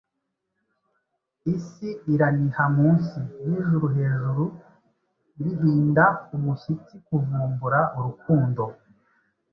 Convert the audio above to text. Isi iraniha munsi, n'ijuru hejuru rihinda umushyitsi kuvumbura Urukundo.